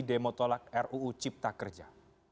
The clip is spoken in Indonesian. demo tolak ruu cipta kerja